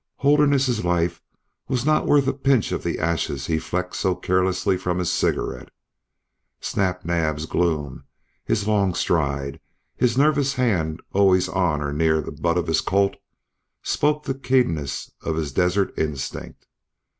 Holderness's life was not worth a pinch of the ashes he flecked so carelessly from his cigarette. Snap Naab's gloom, his long stride, his nervous hand always on or near the butt of his Colt, spoke the keenness of his desert instinct.